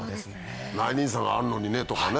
内輪差があるのにねとかね